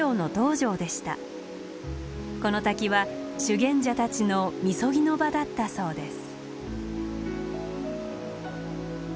この滝は修験者たちのみそぎの場だったそうです。